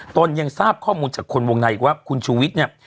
ตนยังทราบข้อมูลจากคนวงในอีกว่าคุณชูวิทย์เนี่ย